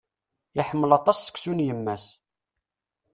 Iḥemmel aṭas seksu n yemma-s.